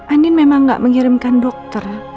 an trabaja mengirimkan dokter